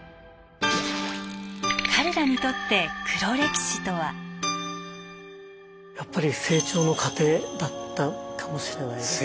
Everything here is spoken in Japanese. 彼らにとってやっぱり成長の過程だったかもしれないですね。